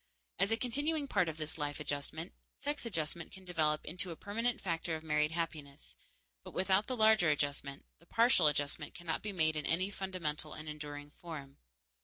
As a continuing part of this life adjustment, sex adjustment can develop into a permanent factor of married happiness; but without the larger adjustment, the partial adjustment cannot be made in any fundamental and enduring form.